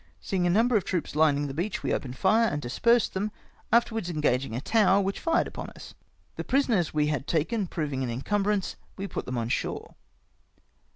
Seeing a number of troops lining the beach, we opened fire and dispersed them, afterwards engaging a tower, which fired upon us. The prisoners we had taken proving an incumbrance, we put them on shore.